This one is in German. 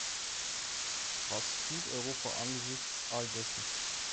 Was tut Europa angesichts all dessen?